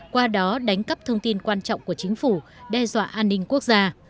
qua đó đánh cắp thông tin quan trọng của chính phủ đe dọa an ninh quốc gia